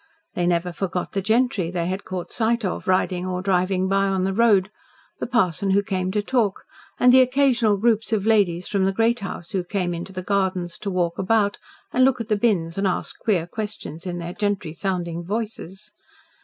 They never forgot the gentry they had caught sight of riding or driving by on the road, the parson who came to talk, and the occasional groups of ladies from the "great house" who came into the gardens to walk about and look at the bins and ask queer questions in their gentry sounding voices.